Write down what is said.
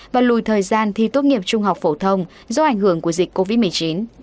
và lùi thời gian thi tốt nghiệp trung học phổ thông do ảnh hưởng của dịch covid một mươi chín